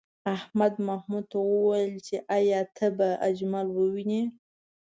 احمد محمود ته وویل چې ایا ته به اجمل ووینې؟